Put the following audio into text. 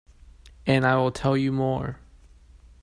And I will tell you more.